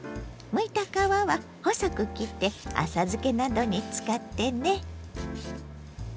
むいた皮は細く切って浅漬けなどに使ってね。